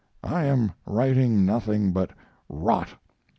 I am writing nothing but rot.